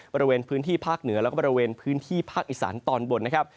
บริเวณพื้นที่ภาคเหนือแล้วก็บริเวณพื้นที่ภาคอีสานตอนบนนะครับ